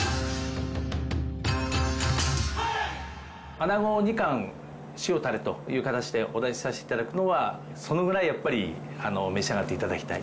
アナゴを２貫塩タレという形でお出しさせて頂くのはそのぐらいやっぱり召し上がって頂きたい。